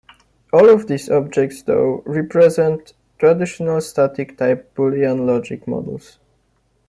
All of these objects though represent traditional static-type Boolean logic models.